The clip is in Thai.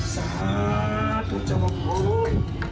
สาธุโจมตี